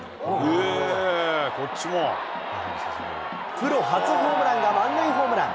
プロ初ホームランが満塁ホームラン。